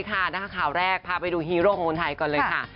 ข่าวแรกพาไปดูฮีโร่ของคนไทยก่อนเลยค่ะ